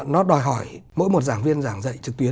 nó đòi hỏi mỗi một giảng viên giảng dạy trực tuyến